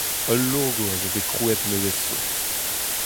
Ul logo a zo bet krouet nevez zo.